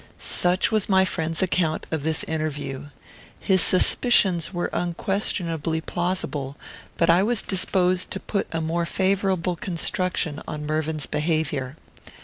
Such was my friend's account of this interview. His suspicions were unquestionably plausible; but I was disposed to put a more favourable construction on Mervyn's behaviour.